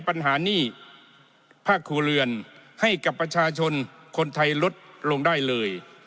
ปัญหาหนี้ภาคครัวเรือนให้กับประชาชนคนไทยลดลงได้เลย